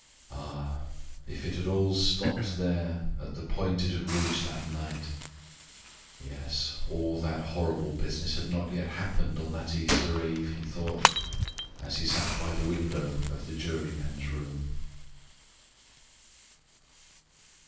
Ah! if it had all stopped there, at the point it had reached that night. "Yes, all that horrible business had not yet happened on that Easter eve!" he thought, as he sat by the window of the jurymen's room.